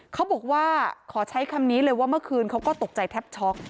เขาบอกว่าขอใช้คำนี้เลยว่าเมื่อคืนเขาก็ตกใจแทบช็อก